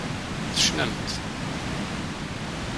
Tecnamt.